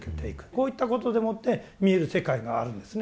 こういったことでもって見える世界があるんですね。